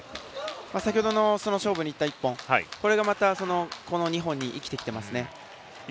先ほど、勝負にいった１本これでまたこの２本に生きていますね。